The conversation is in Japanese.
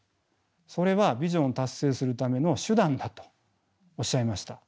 それはビジョンを達成するための手段だとおっしゃいました。